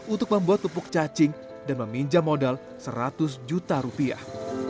untuk membuat pupuk cacing dan meminjam modal seratus juta rupiah